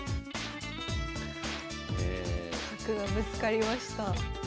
角がぶつかりました。